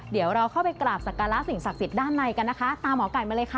เดี๋ยวเราเข้าไปกราบสักการะสิ่งศักดิ์สิทธิ์ด้านในกันนะคะตามหมอไก่มาเลยค่ะ